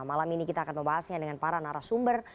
malam ini kita akan membahasnya dengan para narasumber